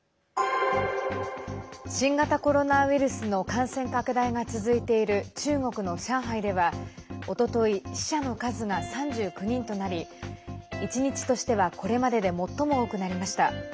新型コロナウイルスの感染拡大が続いている中国の上海ではおととい死者の数が３９人となり１日としてはこれまでで最も多くなりました。